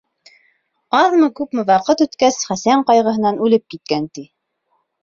Аҙмы-күпме ваҡыт үткәс, Хәсән ҡайғыһынан үлеп киткән, ти.